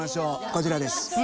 こちらです。